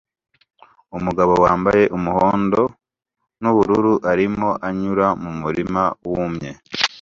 Umugabo wambaye umuhondo nubururu arimo anyura mumurima wumye